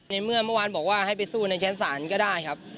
ในเมื่อเมื่อวานบอกว่าให้ไปสู้ในชั้นศาลก็ได้ครับ